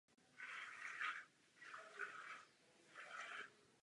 Celý jeho archiv deskových negativů však byl po jeho smrti zničen.